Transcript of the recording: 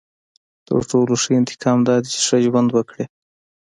• تر ټولو ښه انتقام دا دی چې ښه ژوند وکړې.